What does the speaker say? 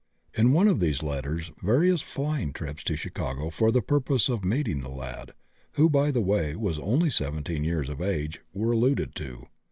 In one of these letters various flying trips to Chicago for the purpose of meeting the lad, who, by the way, was only 17 years of age, were alluded to.